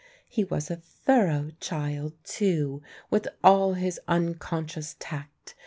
He was a thorough child, too, with all his unconscious tact.